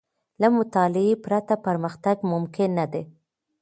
له مطالعې پرته، پرمختګ ممکن نه دی.